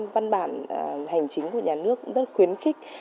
bộ giáo dục